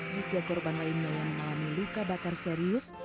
tiga korban lainnya yang mengalami luka bakar serius